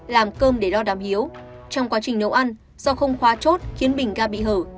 làm cơm để đo đám hiếu trong quá trình nấu ăn do không khoa chốt khiến bình ga bị hở